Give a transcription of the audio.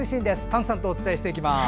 丹さんとお伝えしていきます。